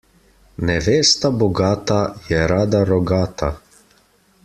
Nevesta bogata, je rada rogata.